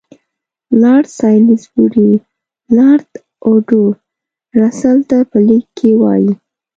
لارډ سالیزبوري لارډ اوډو رسل ته په لیک کې وایي.